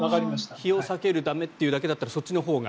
日を避けるためというんだったらそっちのほうが。